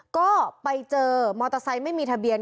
ก็ไปเจอมอเตอร์ไซค์ไม่มีทะเบียน